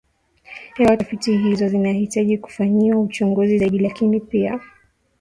hewa Tafiti hizo zinahitaji kufanyiwa uchunguzi zaidi lakini pia